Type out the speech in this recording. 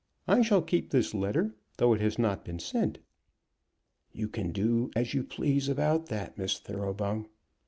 I shall keep this letter, though it has not been sent." "You can do as you please about that, Miss Thoroughbung."